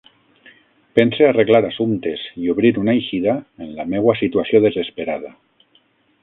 Pense arreglar assumptes i obrir una eixida en la meua situació desesperada.